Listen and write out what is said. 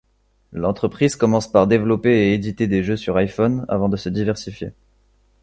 L'entreprise commence par développer et éditer des jeux sur iPhone avant de se diversifier.